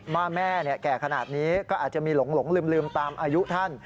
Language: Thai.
แม่แก่ขนาดนี้ก็อาจจะมีหลงลืมตามอายุท่าน